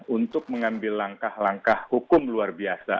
untuk mengambil langkah langkah hukum luar biasa